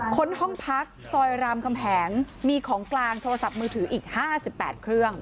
คนห้องพักซอยรามคำแหงมีของกลางโทรศัพท์มือถืออีก๕๘เครื่อง